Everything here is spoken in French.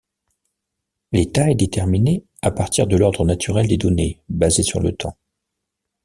L'état est déterminé à partir de l'ordre naturel des données basé sur le temps.